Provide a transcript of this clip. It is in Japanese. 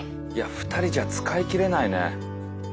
２人じゃ使い切れないね。